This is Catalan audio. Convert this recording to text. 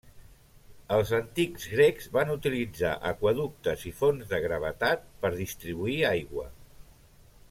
Els antics grecs van utilitzar aqüeductes i fonts de gravetat per distribuir aigua.